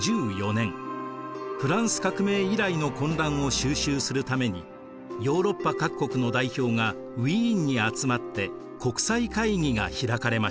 フランス革命以来の混乱を収拾するためにヨーロッパ各国の代表がウィーンに集まって国際会議が開かれました。